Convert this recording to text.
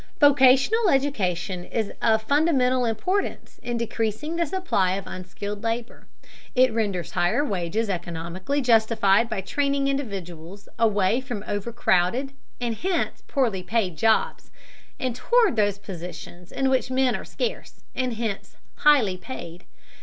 Vocational education is of fundamental importance in decreasing the supply of unskilled labor. It renders higher wages economically justified by training individuals away from overcrowded and hence poorly paid jobs, and toward those positions in which men are scarce, and hence highly paid.